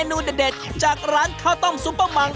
ไข่บาลิวไข่ปู